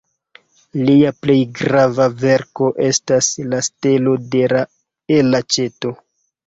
Lia plej grava verko estas "La Stelo de la Elaĉeto".